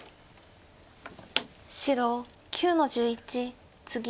白９の十一ツギ。